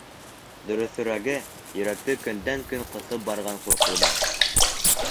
Дөрөҫөрәге, йөрәкте көндән-көн ҡыҫып барған ҡурҡыуҙан.